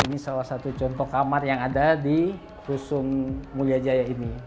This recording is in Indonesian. ini salah satu contoh kamar yang ada di rusun mulia jaya ini